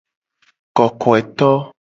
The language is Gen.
Kokoeto.